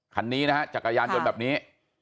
คันนี้นะฮะจักรยานยนต์แบบนี้